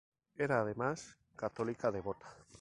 Era, además, católica devota.